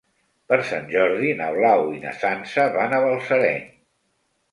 Per Sant Jordi na Blau i na Sança van a Balsareny.